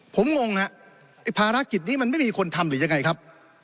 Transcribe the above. ผมงงฮะไอ้ภารกิจนี้มันไม่มีคนทำหรือยังไงครับ